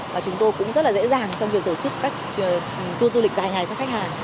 và chúng tôi cũng rất là dễ dàng trong việc tổ chức các tour du lịch dài ngày cho khách hàng